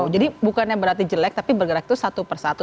jadi bukan yang berarti jelek tapi bergerak itu satu persatu